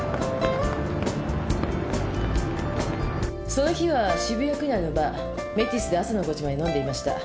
その日は渋谷区内のバー「メティス」で朝の５時まで飲んでいました。